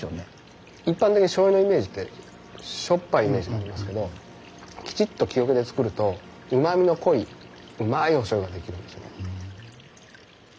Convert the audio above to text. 一般的にしょうゆのイメージってしょっぱいイメージがありますけどきちっと木桶で造るとうまみの濃いうまいおしょうゆが出来るんですよね。